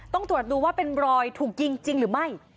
ต้องตรวจดูว่าเป็นรอยถูกยิงจริงหรือไม่